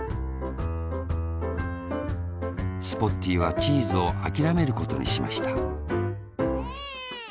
スポッティーはチーズをあきらめることにしましたエンエン。